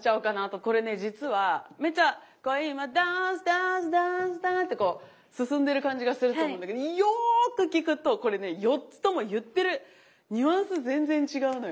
これね実はめちゃ「恋もｄａｎｃｅ，ｄａｎｃｅ，ｄａｎｃｅ，ｄａｎｃｅ」ってこう進んでる感じがすると思うんだけどよく聴くとこれね４つとも言ってるニュアンス全然違うのよ。